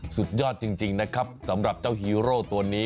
สุดยอดจริงนะครับสำหรับเจ้าฮีโร่ตัวนี้